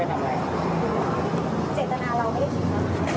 ออกมาแล้ว